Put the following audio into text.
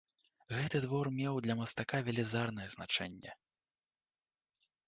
Гэты твор меў для мастака велізарнае значэнне.